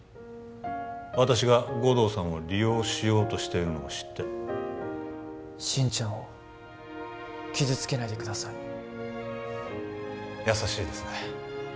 私が護道さんを利用しようとしているのを知って心ちゃんを傷つけないでください優しいですね